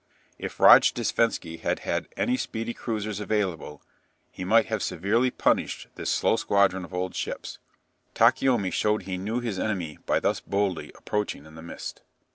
If Rojdestvensky had had any speedy cruisers available, he might have severely punished this slow squadron of old ships. Takeomi showed he knew his enemy by thus boldly approaching in the mist.